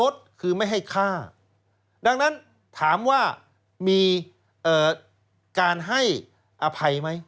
ดังนั้นถามว่ามีการให้อภัยมั้ย